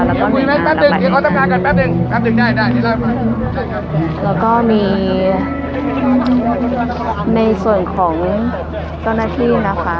แล้วก็มีในส่วนของเจ้าหน้าที่นะคะ